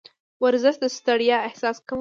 ورزش د ستړیا احساس کموي.